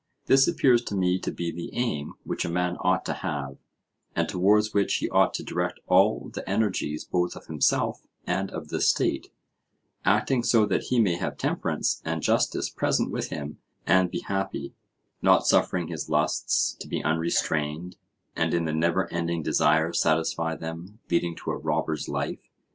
This appears to me to be the aim which a man ought to have, and towards which he ought to direct all the energies both of himself and of the state, acting so that he may have temperance and justice present with him and be happy, not suffering his lusts to be unrestrained, and in the never ending desire satisfy them leading a robber's life.